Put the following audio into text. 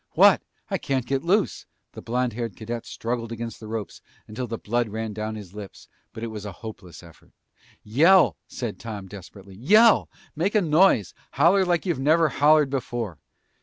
"What? I can't get loose!" The blond haired cadet struggled against the ropes until the blood ran down his wrists, but it was a hopeless effort. "Yell!" said Tom desperately. "Yell! Make a noise! Holler like you've never hollered before!"